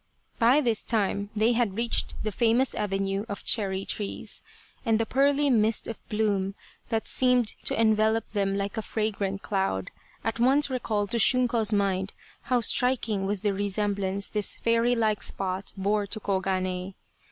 By this time they had reached the famous avenue of cherry trees, and the pearly mist of bloom, that seemed to envelope them like a fragrant cloud, at once recalled to Shunko's mind how striking was the resemblance this fairy like spot bore to Koganei.